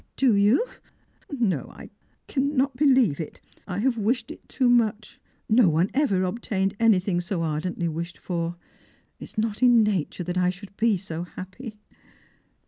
"Do you P No, I cannot believe it; I have wished it too much ; no one ever obtained anything so ardently wished for. It is not in nature that I should be so happy."